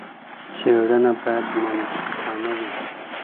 څېړنه بايد منصفانه وي.